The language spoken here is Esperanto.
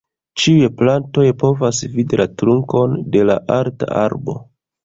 Ĉiuj plantoj povas vidi la trunkon de la alta arbo.